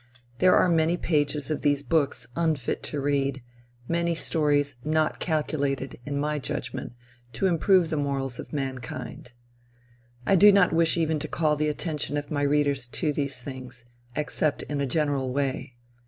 There are many pages of these books unfit to read, many stories not calculated, in my judgment, to improve the morals of mankind. I do not wish even to call the attention of my readers to these things, except in a general way.